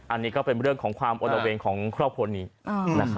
อันนี้ก็เป็นเรื่องของความโอละเวงของครอบครัวนี้นะครับ